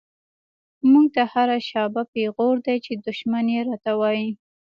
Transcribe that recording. مونږ ته هر “شابه” پیغور دۍ، چی دشمن یی راته وایی